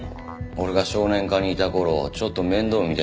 俺が少年課にいた頃ちょっと面倒見てた時があってさ。